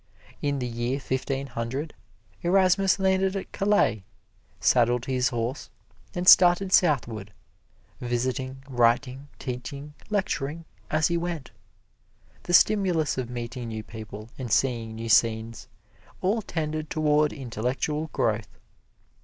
In the year Fifteen Hundred, Erasmus landed at Calais, saddled his horse, and started southward, visiting, writing, teaching, lecturing, as he went. The stimulus of meeting new people and seeing new scenes, all tended toward intellectual growth.